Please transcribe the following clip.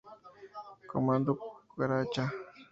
Comando Cucaracha.